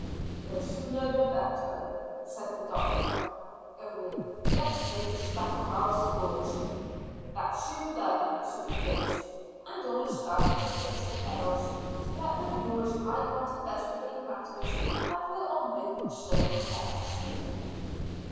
"The sooner the better," said the doctor, "only let's make a stack of our stores." "That's soon done," said Griggs, and all started to place the bales so that the mules might not investigate matters that were no concern of theirs.